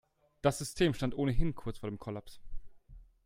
Das System stand ohnehin kurz vor dem Kollaps.